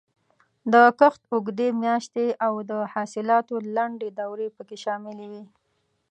د کښت اوږدې میاشتې او د حاصلاتو لنډې دورې پکې شاملې وې.